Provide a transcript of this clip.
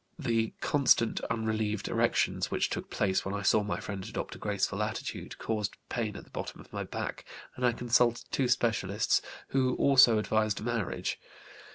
The constant unrelieved erections which took place when I saw my friend adopt a graceful attitude caused pain at the bottom of my back, and I consulted two specialists, who also advised marriage.